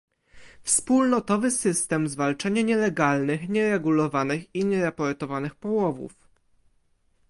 Wspólnotowy system zwalczania nielegalnych, nieregulowanych i nieraportowanych połowów